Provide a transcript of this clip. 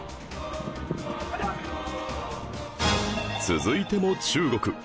続いても中国